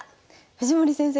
藤森先生